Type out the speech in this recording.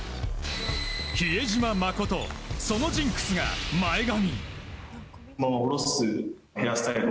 比江島慎、そのジンクスが前髪。